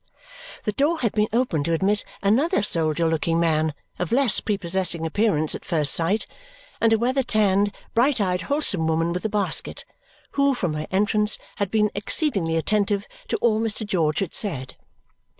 The door had been opened to admit another soldier looking man of less prepossessing appearance at first sight and a weather tanned, bright eyed wholesome woman with a basket, who, from her entrance, had been exceedingly attentive to all Mr. George had said.